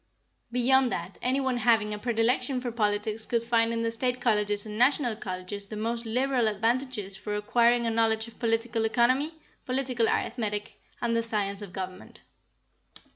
Beyond that, any one having a predilection for politics could find in the State Colleges and National Colleges the most liberal advantages for acquiring a knowledge of political economy, political arithmetic, and the science of government.